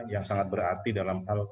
yang sangat berarti dalam hal